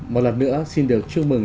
một lần nữa xin được chúc mừng